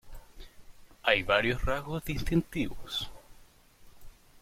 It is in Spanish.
Hay varios rasgos distintivos.